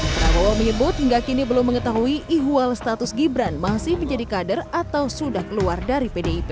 prabowo menyebut hingga kini belum mengetahui ihwal status gibran masih menjadi kader atau sudah keluar dari pdip